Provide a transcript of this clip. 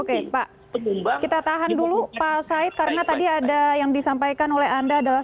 oke pak kita tahan dulu pak said karena tadi ada yang disampaikan oleh anda adalah